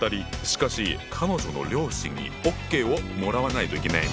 しかし彼女の両親にＯＫをもらわないといけない。